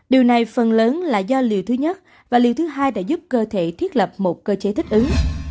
điều này phần lớn là do liều thứ nhất và liều thứ hai đã giúp cơ thể thiết lập một cơ chế thích ứng